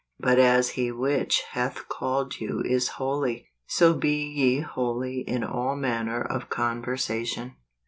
" But as he which hath called you is holy, so be ye holy in all manner of conversation